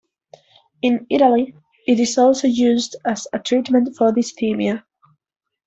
In Italy, it is also used as a treatment for dysthymia.